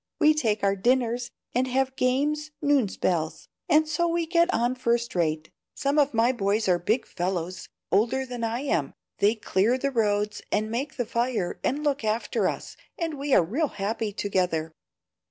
We take our dinners and have games noon spells, and so we get on first rate; some of my boys are big fellows, older than I am; they clear the roads and make the fire and look after us, and we are real happy together."